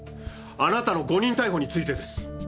あなたの誤認逮捕についてです。